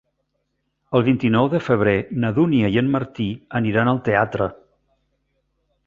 El vint-i-nou de febrer na Dúnia i en Martí aniran al teatre.